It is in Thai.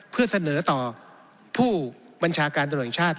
เพื่อเสนอต่อผู้บัญชาการตำรวจแห่งชาติ